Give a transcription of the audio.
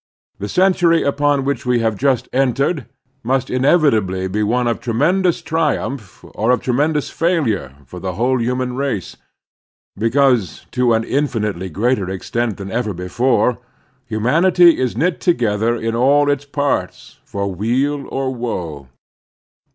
The century upon which we have just entered must inevitably be one of tremendous tritimph or of tremendous failure for the whole human race, because, to an infinitely greater extent than ever before, humanity is knit together in all its parts, for weal or woe.